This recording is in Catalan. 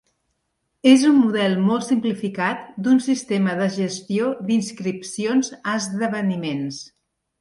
És un model molt simplificat d'un sistema de gestió d'inscripcions a esdeveniments.